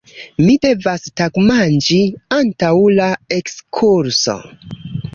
Mi devas tagmanĝi antaŭ la ekskurso!